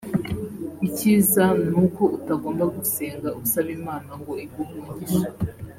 Ikiza ni uko utagomba gusenga usaba Imana ngo iguhe umugisha